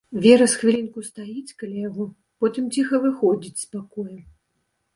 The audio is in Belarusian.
Вера з хвілінку стаіць каля яго, потым ціха выходзіць з пакоя.